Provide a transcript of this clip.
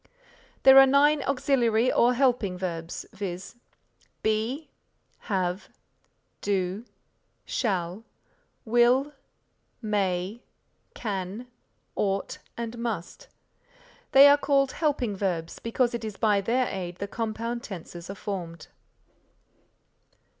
There are nine auxiliary or helping verbs, viz., Be, have, do, shall, will, may, can, ought, and must. They are called helping verbs, because it is by their aid the compound tenses are formed.